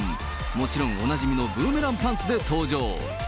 もちろん、おなじみのブーメランパンツで登場。